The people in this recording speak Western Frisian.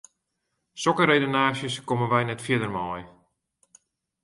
Sokke redenaasjes komme wy net fierder mei.